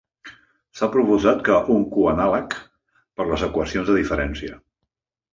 S'ha proposat un q-anàleg per les equacions de diferència.